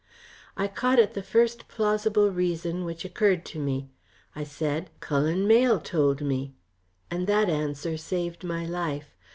I caught at the first plausible reason which occurred to me. I said: "Cullen Mayle told me," and that answer saved my life.